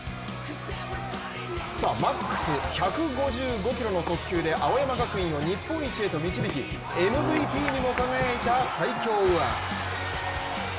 マックス１５５キロの速球で青山学院を日本一へと導き、ＭＶＰにも輝いた最強右腕。